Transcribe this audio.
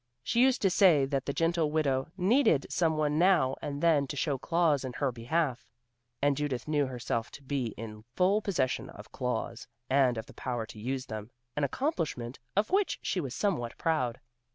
She used to say that the gentle widow needed some one now and then to show claws in her behalf, and Judith knew herself to be in full possession of claws, and of the power to use them, an accomplishment of which she was somewhat proud.